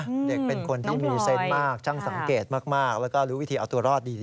เด็กเป็นคนที่มีเซนต์มากช่างสังเกตมากแล้วก็รู้วิธีเอาตัวรอดดี